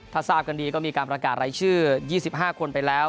ถ้าทราบกันดีก็มีการประกาศรายชื่อ๒๕คนไปแล้ว